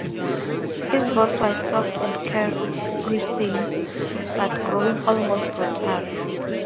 His voice was soft and caressing, but growing almost brutal.